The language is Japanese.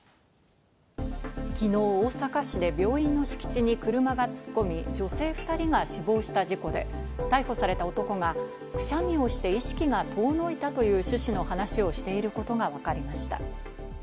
昨日、大阪市で病院の敷地に車が突っ込み女性２人が死亡した事故で、逮捕された男がくしゃみをして意識が遠のいたという趣旨の話をしていることがわかりました。